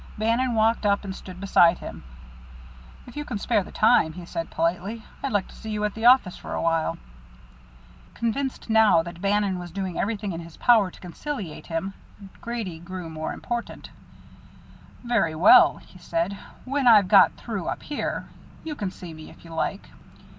Bannon walked up and stood beside him. "If you can spare the time," he said politely, "I'd like to see you at the office for a while." Convinced now that Bannon was doing everything in his power to conciliate him, Grady grew more important "Very well," he said; "when I've got through up here, ye can see me if ye like."